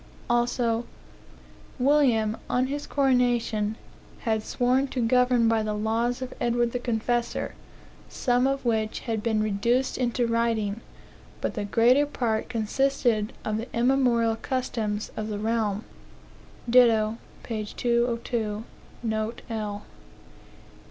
Also, "William, on his coronation, had sworn to govern by the laws of Edward the Confessor, some of which had been reduced into writing, but the greater part consisted of the immemorial customs of the realm." Ditto, p. 202, note L.